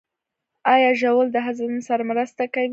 ایا ژوول د هضم سره مرسته کوي؟